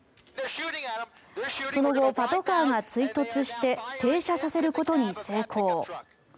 その後、パトカーが追突して停車させることに成功。